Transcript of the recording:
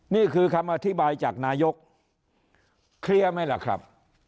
นี่คือคำอธิบายจากนายกเคลียร์ไหมล่ะครับ